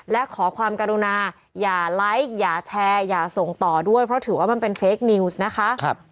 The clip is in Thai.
และขอความกรุณาอย่าไลค์อย่าแชร์อย่าส่งต่อด้วยเพราะถือว่ามันเป็นเฟคนิวส์นะคะ